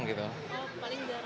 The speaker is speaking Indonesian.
oh paling jarang